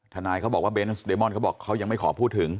ทนายเขาบอกว่าเบนส์เดมอนเขาบอกเขายังไม่ขอพูดถึง